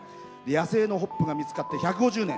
野生のホップが見つかって１５０年。